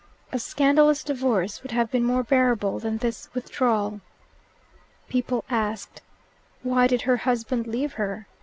A scandalous divorce would have been more bearable than this withdrawal. People asked, "Why did her husband leave her?"